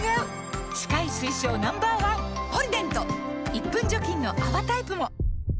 １分除菌の泡タイプも！